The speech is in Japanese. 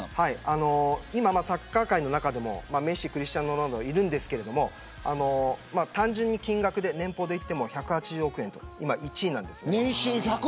今サッカー界の中でもメッシクリスティアーノ・ロナウドがいるんですけど単純に年俸で言っても１８０億円と今、１位なんです。